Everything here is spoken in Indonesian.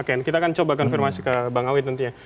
oke kita akan coba konfirmasi ke bang awit nantinya